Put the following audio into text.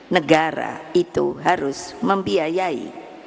negara itu harus membiayai